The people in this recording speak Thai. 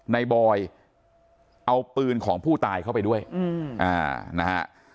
บอยเอาปืนของผู้ตายเข้าไปด้วยนะฮะ